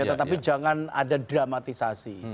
tetapi jangan ada dramatisasi